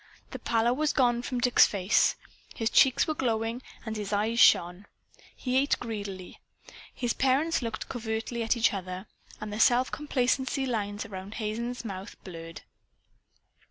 The pallor was gone from Dick's face. His cheeks were glowing, and his eyes shone. He ate greedily. His parents looked covertly at each other. And the self complacency lines around Hazen's mouth blurred.